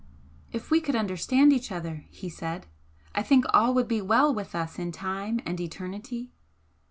"If we could understand each other," he said "I think all would be well with us in time and eternity!"